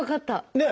ねえ！